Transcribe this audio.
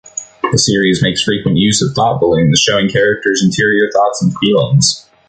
The series makes frequent use of thought balloons, showing characters' interior thoughts and feelings.